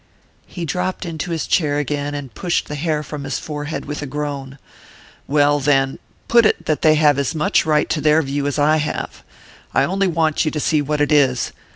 He dropped into his chair again, and pushed the hair from his forehead with a groan. "Well, then put it that they have as much right to their view as I have: I only want you to see what it is.